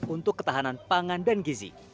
untuk ketahanan pangan dan gizi